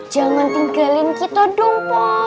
jangan tinggalin kita dong